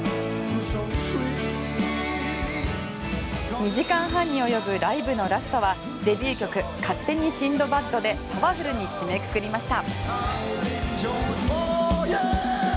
２時間半に及ぶライブのラストはデビュー曲「勝手にシンドバッド」でパワフルに締めくくりました。